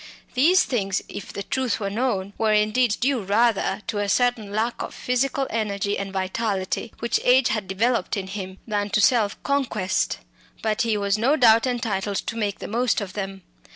These things, if the truth were known, were indeed due rather to a certain lack of physical energy and vitality, which age had developed in him, than to self conquest; but he was no doubt entitled to make the most of them.